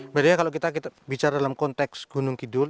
mbak dea kalau kita bicara dalam konteks gunung kidul